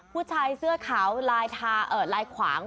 ผู้ชายเสื้อขาวลายถาเอ่อลายขวาง